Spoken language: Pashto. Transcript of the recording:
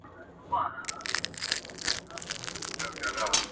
مګر اوس نوی دور نوی فکر نوی افغان,